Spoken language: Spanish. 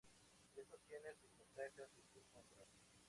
Esto tiene sus ventajas y sus contras.